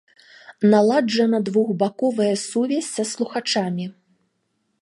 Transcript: Наладжана двухбаковая сувязь са слухачамі.